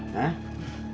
bisa jadi kenyang